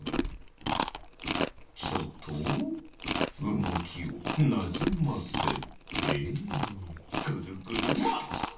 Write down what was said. ちょっとうごきをなじませてぐるぐるマックス！